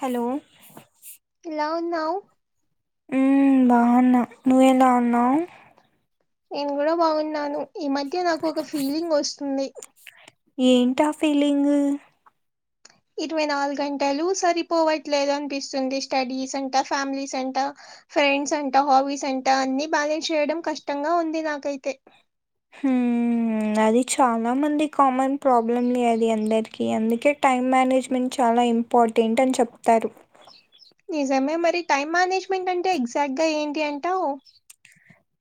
Hello న్నవ్ ఊమ్ బాగున్నా, నువ్వేలా ఉన్నావ్, నేను కూడా బాగున్నాను, ఈ మధ్య నాకు ఒక ఫీలింగ్ వస్తుంది. ఏంటా ఫీలింగు ఇరవై నాలుగు గంటలు సరిపోవట్లేదనిపిస్తుంది, స్టడీస్ అంటా ఫ్యామిలీస్ అంట, ఫ్రెండ్స్ అంట, హాబీస్ అంట, అన్ని బ్యాలెన్స్ చేయడం కష్టంగా ఉంది నాకైతే, హ్మ్ ఉమ్ అది చాలా మంది కామన్ ప్రాబ్లమ్లే అది అందరికి అందుకే టైమ్ మేనేజ్మెంట్ చాలా ఇంపార్టెంట్ అని చెప్తారు నిజమే మరి టైం మేనేజ్మెంట్ అంటే ఎగ్జాక్ట్ గా ఏంటి అంటావ్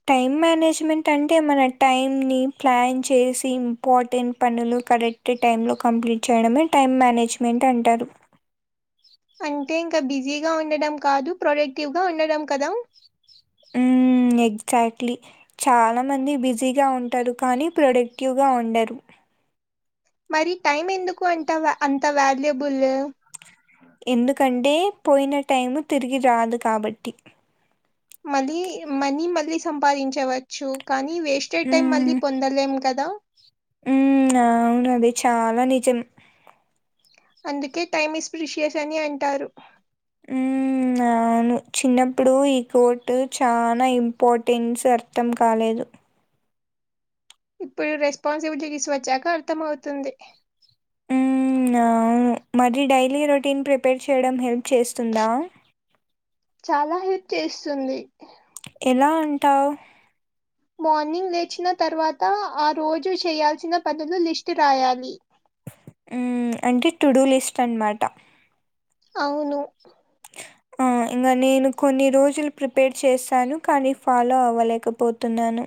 టైమ్ మేనేజ్మెంట్ అంటే మన టైం ని ప్లాన్ చేసి ఇంపార్టెంట్ పనులు కరెక్ట్ టైమ్ లో కంప్లీట్ చేయడమే టైం మేనేజ్మెంట్ అంటారు అంటే ఇంకా బిజీగా ఉండడం కాదు ప్రొడక్టివ్గా ఉండడం కదా ఉమ్ ఎగ్జాక్ట్లీ చాలా మంది బిజీగా ఉంటారు కానీ ప్రొడక్టివ్గా ఉండరు మరి టైం ఎందుకు అంటావ అంత వాల్యుబుల్ ఎందుకంటే పోయిన టైమ్ తిరిగి రాదు కాబట్టి మళ్ళీ మనీ మళ్ళీ సంపాదించవచ్చు కానీ వేస్టేడ్ టైం మళ్ళీ పొందలేం కదా ఉమ్ అవును ఆది చాలా నిజం అందుకే టైమ్ ఎస్ప్రిషియస్ అని అంటారు ఉమ్ అవును చిన్నప్పుడు ఈ కోర్ట్ చాలా ఇంపార్టెన్స్ అర్థం కాలేదు దు ఇప్పుడు రెస్పాన్సిబిలిటీస్ వచ్చాక అర్థం అవుతుంది హ్మ్మ్ ఉమ్ ఆ అవును డైలీ రొటీన్ ప్రిపేర్ చేయడం హెల్ప్ చేస్తుందా చాలా హెల్ప్ చేస్తుంది ఎలా అంటావ్ మార్నింగ్ లేచిన తర్వాత ఆ రోజు చేయాల్సిన పనులు లిస్ట్ రాయాలి ఉమ్ అంటే టుడూ లిస్ట్ అనమాట అవును ఆ హ ఇంకా నేను కొన్ని రోజులు ప్రిపేర్ చేస్తాను కానీ ఫాలో అవ్వలేకపోతున్నాను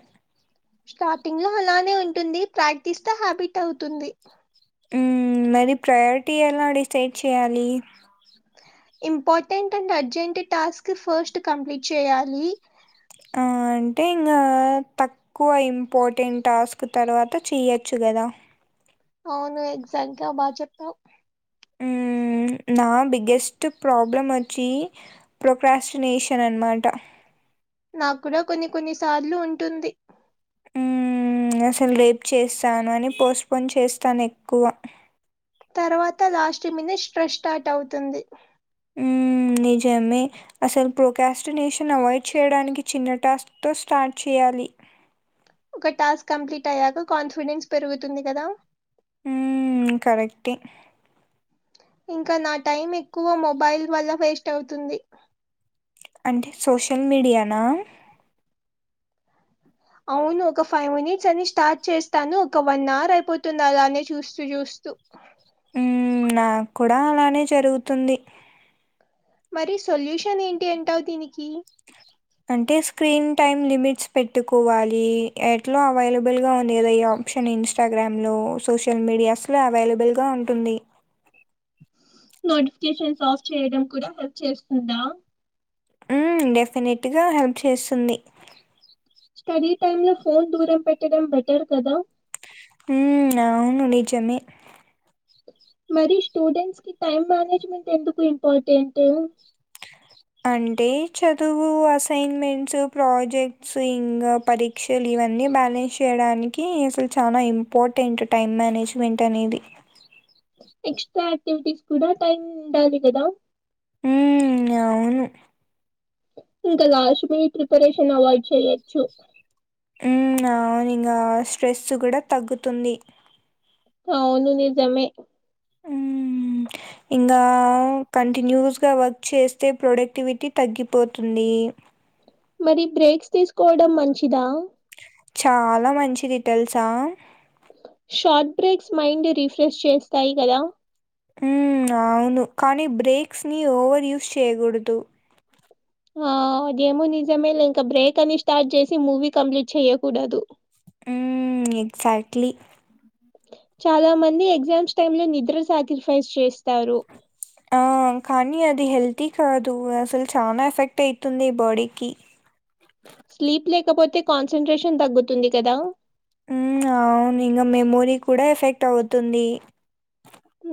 స్టార్టింగ్ లో అలానే ఉంటుంది ప్రాక్టీస్తే హ్యాబిట్ అవుతుంది ఉమ్ మరి ప్రయారిటీ ఎలా డిసైడ్ చేయాలి important and urgent task first complete చేయాలి ఆ అంటే ఇంకా తక్కువ ఇంపార్టెంట్ టాస్క్ తర్వాత చేయ్యచ్చు కదా అవును ఎగ్జాక్ట్ గా బాగా చెప్పావు ఉమ్ నా బిగ్గెస్ట్ ప్రాబ్లం వచ్చి ప్రొక్రాస్టినేషన్ అన్నమాట నాకు కూడా కొన్ని కొన్ని సార్లు ఉంటుంది ఉమ్ అసలు రేపు చేస్తాను అని పోస్ట్పోన్ చేస్తాను ఎక్కువ తర్వాత లాస్ట్ మినిట్ స్ట్రెస్ స్టార్ట్ అవుతుంది ఉమ్ మ్ నిజమే అసలు ప్రోకాస్టినేషన్ అవాయిడ్ చేయడానికి చిన్న టాస్క్ తో స్టార్ట్ చే యాలి ఒక టాస్క్ కంప్లీట్ అయ్యాక కాన్ఫిడెన్స్ పెరుగుతుంది కదా ఉమ్ కరెక్టే ఇంకా నా టైం ఎక్కువ మొబైల్ వల్ల వేస్ట్ అవుతుంది అంటే సోషల్ మీడియానా అవును ఒక ఫైవ్ మినిట్స్ అని స్టార్ట్ చేస్తాను ఒక వన్ అవర్ అయిపోతుంది అలానే చూస్తూ చూస్తూ చూ మ్ నాకు కూడా అలానే జరుగుతుంది మరి సొల్యూషన్ ఏంటి ఎంటవు దీనికి అంటే స్క్రీన్ టైమ్ లిమిట్స్ పెట్టుకోవాలి ఎట్లా అవైలబుల్ గా ఉందిదా ఈ ఆప్షన్ ఇన్స్టాగ్రామ్ లో సోషల్ మీడియాస్ లో అవైలబుల్ గా ఉంటుంది నోటిఫికేషన్స్ ఆఫ్ చేయడం కూడా హెల్ప్ చేస్తుందా మ్ డెఫినెట్ గా హెల్ప్ చేస్తుంది స్టడీ టైమ్ లో ఫోన్ దూరం పెట్టడం బెటర్ కదా మ్ అవును నిజమే మరి స్టూడెంట్స్ కి టైం మేనేజ్మెంట్ ఎందుకు ఇంపార్టెంట్ అంటే చదువు అసైన్మెంట్స్ ప్రాజెక్ట్స్ ఇంగ పరీక్షలు ఇవన్నీ బ్యాలెన్స్ చేయడానికి అసలు చాలా ఇంపార్టెంట్ టైమ్ మేనేజ్మెంట్ అనేది ఎక్స్ట్రా యాక్టివిటీస్ కూడా టైం ఉండాలి కదా మ్ అవును ఇంకా లాస్ట్ మీ ప్రిపరేషన్ అవాయిడ్ చేయొచ్చు మ్ అవును ఇంగ స్ట్రెస్ కూడా తగ్గుతుంది అ అవును నిజమే మ్ ఇంగ కంటిన్యూస్గా వర్క్ చేస్తే ప్రొడక్టివిటీ తగ్గిపోతుంది మరి బ్రేక్స్ తీసుకోవడం మంచిదా చాలా మంచిది తెల్సా షార్ట్ బ్రేక్స్ మైండ్ రిఫ్రెష్ చేస్తాయి కదా మ్ అవును కానీ బ్రేక్స్ ని ఓవర్ యూజ్ చేయకూడదు ఆ అదేమో నిజమే లే బ్రేక్ అని స్టార్ట్ చేసి మూవీ కంప్లీట్ చెయ్యకూడదు మ్ ఎగ్జాక్ట్లీ చాలా మంది ఎగ్జామ్స్ టైమ్ లో నిద్ర సాాక్రిఫైస్ చేస్తారు ఆ కానీ అది హెల్తీ కాదు అసలు చాలా ఎఫెక్ట్ అవుతుంది బాడీకి స్లీప్ లేకపోతే కాన్సన్ంట్రేషన్ తగ్గుతుంది కదా మ్ అవును ఇంగ మెమోరీ కూడా ఎఫెక్ట్ అవుతుంది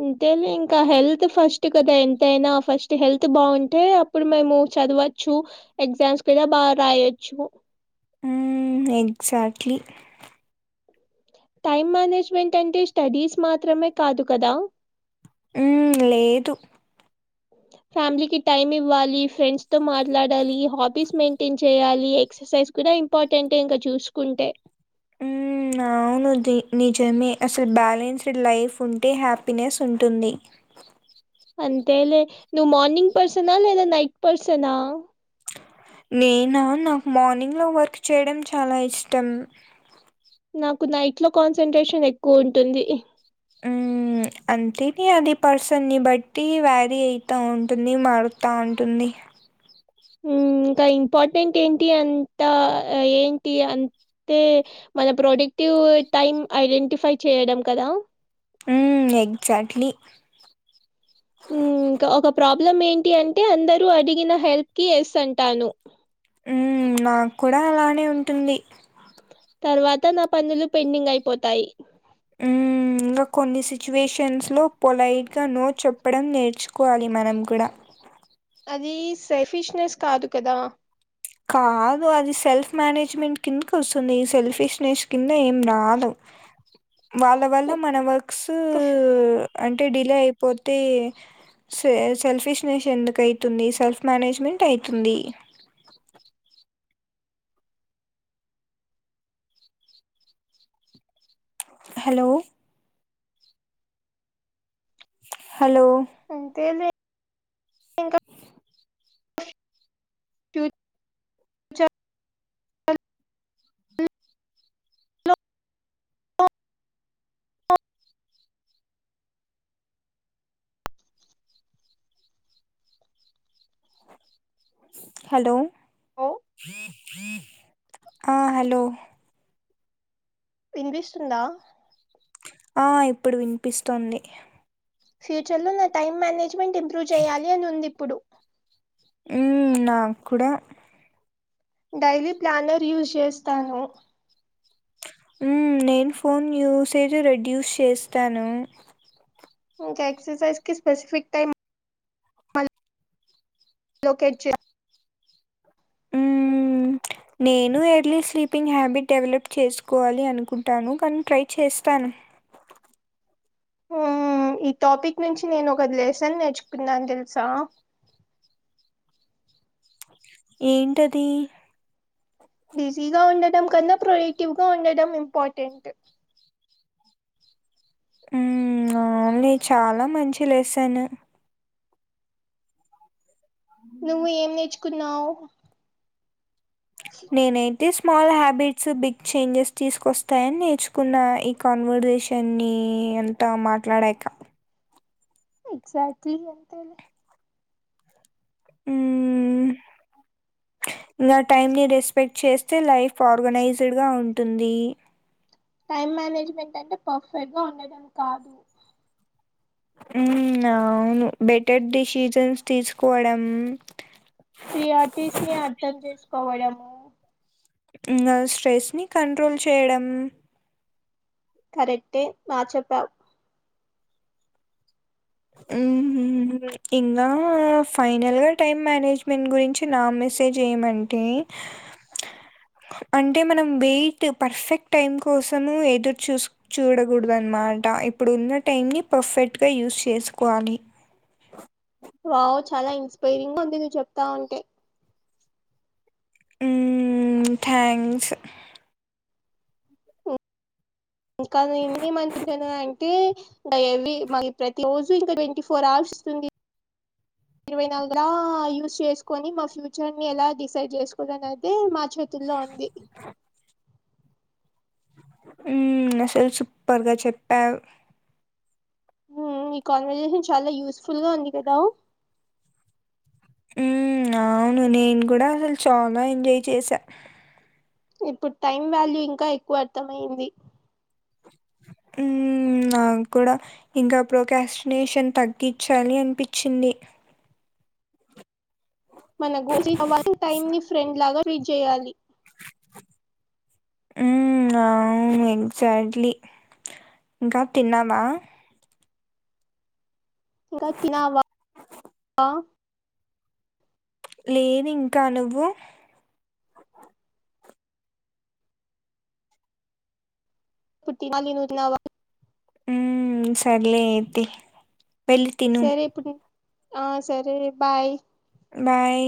అంతే ఇంకా హెల్త్ ఫస్ట్ కదా ఎంతయినా ఫస్ట్ హెల్త్ బాగుంటే అప్పుడు మేము చదువా చ్చు ఎగ్జామ్స్ కూడా బాగా రాయొచ్చు మ్ ఎగజాక్ట్లీ టైం మేనేజ్మెంట్ అంటే స్టడీస్ మాత్రమే కాదు కదా మ్ లేదు ఫ్యామిలీ కి టైమ్ ఇవ్వాలి ఫ్రెండ్స్ తో మాట్లాడాలి హాబీస్ మెయింటైన్ చేయాలి ఎక్సర్సైజ్ కూడా ఇంపార్టెంట్ ఇంకా చూసుకుంటే మ్ అవును ద్ నిజమే అసలు బ్యాలెన్స్డ్ లైఫ్ ఉంటే హ్యాపీనెస్ ఉంటుంది అంతెలే నువ్ మార్నింగ్ పర్సనా లేదా నైట్ పర్సనా నేనా నాకు మార్నింగ్ లో వర్క్ చేయడం చాలా ఇష్టం నాకు నైట్ లో కాన్సన్ంట్రేషన్ ఎక్కువ ఉంటుంది హ్మ్ అంతే అది పర్సన్ని బట్టి వ్యారీ అయిత ఉంటుంది మారుత ఉంటుంది ఉమ్ ఇంకా ఇంపార్టెంట్ ఏంటి అంతా ఏంటి అం తే మన ప్రొడేక్టివ్ టైమ్ ఐడెంటిఫై చేయడం కదా మ్మ్ ఎగ్జాక్ట్లీ ఇంకా ఒక ప్రాబ్లం ఏంటి అంటే అందరు అడిగిన హెల్ప్ కి యస్ అంటాను ఉ నాకు కూడా అలానే ఉంటుంది తర్వాత నా పనులు పెండింగ్ అయిపోతాయి హ్మ్ ఇంకా కొన్ని సిచ్యువేషన్స్లో పొలైట్గా నో చెప్పడం నేర్చుకోవాలి మనం కూడా అది సేఫిష్నెస్ కాదు కదా కాదు అది సెల్ఫ్ మేనేజ్మెంట్ కిందక వస్తుంది సెల్ఫిష్నెస్ కిందకి ఏం రాదు వాళ్ళ వల్ల మన వర్క్సు అంటే డిలే అయిపోతే స సెల్ఫిష్నెస్ ఎందుకు అవుతుంది సెల్ఫ్ మేనేజ్మెంట్ అవుతుంది హలో హలో అంతేలే ఇంకా ఫ్యూచర్ హలో లో ఆ హలో వినిపిస్తుందా ఆ ఇప్పుడు వినిపిస్తోంది ఫ్యూచర్లో నా టైం మేనేజ్మెంట్ ఇంప్రూవ్ చేయాలి అని ఉంది ఇప్పుడు ఉ నాకు కూడా డైలీ ప్లానర్ యూస్ చేస్తాను ఉమ్ నేను ఫోన్ యూస్ అతే రెడ్యూస్ చేస్తాను ఎక్సర్సైజ్ కి స్పెసిఫికు టైమ్ లోకేట్ చే హ్మ్మ్ నేను ఎర్లీ స్లీపింగ్ హ్యాబిట్ డెవలప్ చేసుకోవాలి అనుకుంటాను కానీ ట్రై చేస్తాను ఈ టాపిక్ నుంచి నేను ఒక లెసన్ నేర్చుకున్నాను తెలుసా ఏంటది బిజీగా ఉండడం కన్నా ప్రొడక్టివ్గా ఉండడం ఇంపార్టెంట్ ఉమ్ న చాలా మంచి లెసన్ నువ్వు ఏం నేర్చుకున్నావు నెనీ స్మాల్ హ్యాబిట్స్ బిగ్ చేంజెస్ తీసుకొస్తాయని నేర్చుకున్న ఈ కాన్వర్జేషన్ ని ఈ అంత మాట్లాడాక ఎక్సాక్ట్లీ అంతేలే హ్మ్ ఇంకా టైమ్ ని రెస్పెక్ట్ చేస్తే లైఫ్ ఆర్గనైజ్డ్ గా ఉంటుంది టైమ్ మేనేజ్మెంట్ అంటే పర్ఫెక్ట్ గా ఉండడం కాదు హ్మ్ అవును బెటర్ డిసిజన్స్ తీసుకోవడం ప్రియార్టిస్ని అర్థం చేసుకోవడము నా స్ట్రెస్ ని కంట్రోల్ చేయడం కరెక్టే బా చెప్పావు ఊహూ ఇంగా ఫైనల్గా టైం మేనేజ్మెంట్ గురించి నా మెసేజ్ ఏమంటే అంటే మనం వెయిట్ పర్ఫెక్ట్ టైం కోసం ఎదురు చూస్ చూడకూడదు అనమాట ఇప్పుడు ఉన్న టైం ని పర్ఫెక్ట్ గా యూస్ చేసుకోవాలి వావ్ చాలా ఇన్స్పైరింగ్ గా ఉంది నువ్వు చెప్తా ఉంటే హ్మ్ థ్యాంక్స్ ఇంకా నే మనిపించ అంటే ఇంకా ఎవీ మా ప్రతి రోజు ఇంకా ట్వంటీ ఫోర్ అవర్స్ వస్తుంది ఇరవై నాలుగురా యూస్ చేసుకుని మా ఫ్యూచర్ ని ఎలా డిసైడ్ చేసుకోవాల అని మా చేతుల్లో ఉంది హ్మ్ అసలు సూపర్గా చెప్పావు ఈ కాన్వర్జేషన్ చాలా యూస్ఫుల్గా ఉంది కదా హ్మ్ అవును నేను కూడా అసలు చాలా ఎంజాయ్ చేసా ఇప్పుడు టైం వాల్యూ ఇంకా ఎక్కువ అర్థమైంది హ్మ్ నాకు కూడా ఇంకా ప్రోకాస్టినేషన్ తగ్గించాలి అనిపించింది మనకు ఇచ్చిన టైం ని ఫ్రెండ్ లాగా రీడ్ చేయాలి హ్మ్ అవును ఎగ్జాట్లీ ఇంకా తిన్నావా ఇంకా తినావా లేదు ఇంకా నువ్వు ఇప్పుడు తినాలి నువ్వు తిన్నావా హ్మ్ సర్లే ఐతే సరే ఇప్పుడు ఆ సరే బాయ్ బాయ్